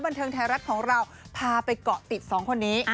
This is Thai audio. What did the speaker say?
บันเทิงไทยรัฐของเราพาไปเกาะติดสองคนนี้